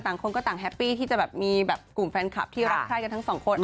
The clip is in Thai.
คนก็ต่างแฮปปี้ที่จะแบบมีแบบกลุ่มแฟนคลับที่รักไข้กันทั้งสองคน